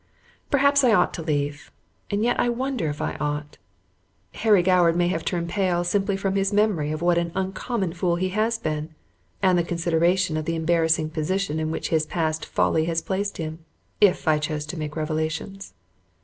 Perhaps I ought to leave, and yet I wonder if I ought. Harry Goward may have turned pale simply from his memory of what an uncommon fool he had been, and the consideration of the embarrassing position in which his past folly has placed him, if I chose to make revelations.